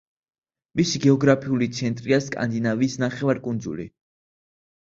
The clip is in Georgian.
მისი გეოგრაფიული ცენტრია სკანდინავიის ნახევარკუნძული.